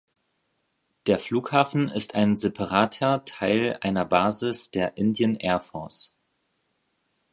Der Flughafen ist ein separater Teil einer Basis der Indian Air Force.